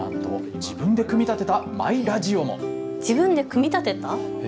自分で組み立てた？